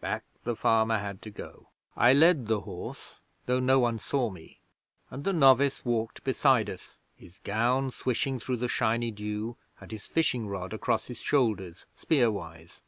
'Back the farmer had to go. I led the horse, though no one saw me, and the novice walked beside us, his gown swishing through the shiny dew and his fishing rod across his shoulders, spear wise.